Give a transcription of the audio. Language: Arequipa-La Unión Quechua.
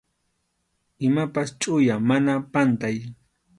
Imapas chʼuya, mana pantay.